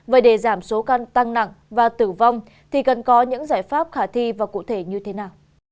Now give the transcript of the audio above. vậy để giảm số căn tăng nặng và tử vong thì cần có những giải pháp khả thi và cụ thể như thế nào